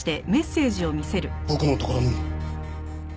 僕のところにも。